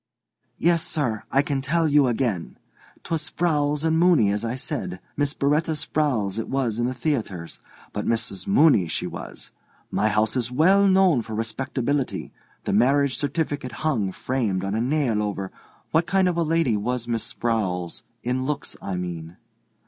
"Yes, sir. I can tell you again. 'Twas Sprowls and Mooney, as I said. Miss B'retta Sprowls it was in the theatres, but Missis Mooney she was. My house is well known for respectability. The marriage certificate hung, framed, on a nail over—" "What kind of a lady was Miss Sprowls—in looks, I mean?"